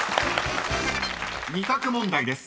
［２択問題です］